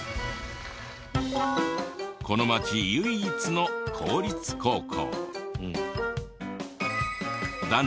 この町唯一の公立高校。